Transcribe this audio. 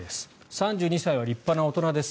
３２歳は立派な大人です。